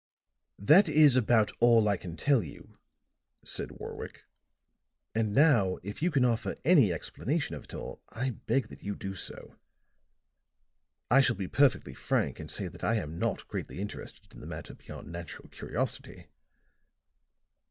"That is about all I can tell you," said Warwick. "And now if you can offer any explanation of it all, I beg that you do so. I shall be perfectly frank and say that I am not greatly interested in the matter beyond natural curiosity.